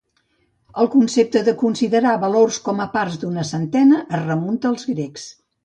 El concepte de considerar valors com a parts d'una centena es remunta als grecs.